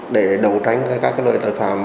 để đầu tranh các loại tội phạm